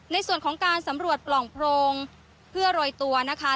ในส่วนของการสำรวจปล่องโพรงเพื่อโรยตัวนะคะ